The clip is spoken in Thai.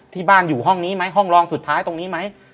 ที่บ้านอยู่ห้องนี้ไหมห้องรองสุดท้ายตรงนี้ไหม